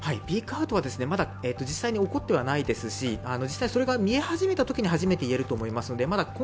ピークアウトは実際に起こってはないですし、それが見え始めたときに言えると思いますのでまだ